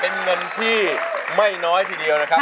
เป็นเงินที่ไม่น้อยทีเดียวนะครับ